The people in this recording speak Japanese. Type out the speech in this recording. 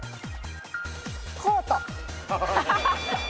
コート。